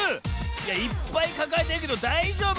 いやいっぱいかかえてるけどだいじょうぶ？